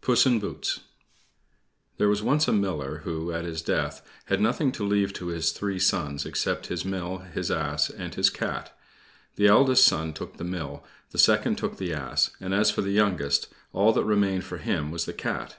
PUSS IN BOOTS There was once a Miller, who, at his death, had nothing to leave to his three sons except his mill, his ass, and his cat. The eldest son took the mill, the second took the ass and as for the youngest, all that remained for him was the cat.